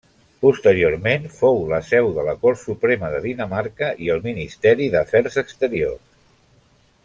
Posteriorment fou la seu de la Cort Suprema de Dinamarca i el Ministeri d'Afers Exteriors.